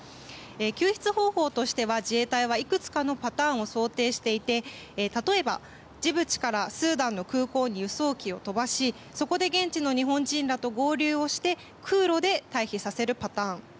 救出方法としては自衛隊はいくつかのパターンを想定していて、例えばジブチからスーダンの空港に輸送機を飛ばしそこで現地の日本人らと合流をして空路で退避させるパターン。